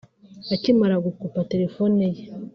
Akimara ’gukupa’ telefone ye